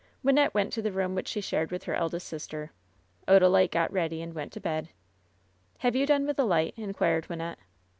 Wynnette went to the room which she shared with her eldest sister. Odalite got ready and went to bed. "Have you done with the light ?" inquired Wynnette.